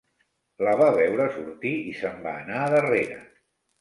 La va veure sortir i se'n va anar darrera